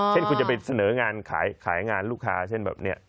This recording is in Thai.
เช่นคุณจะไปเสนองานขายงานลูกค้าเช่นแบบนี้